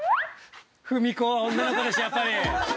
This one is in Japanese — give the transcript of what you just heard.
◆踏み子は女の子でしょ、やっぱり。